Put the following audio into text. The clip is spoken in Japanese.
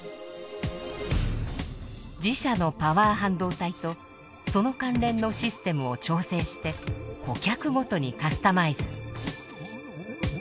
自社のパワー半導体とその関連のシステムを調整して顧客ごとにカスタマイズ。